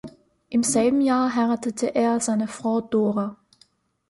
Im selben Jahr heiratete er seine Frau Dora.